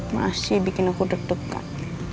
masih bikin aku tertekan